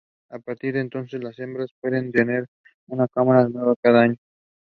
Now the goal is to bring mother and daughter back together!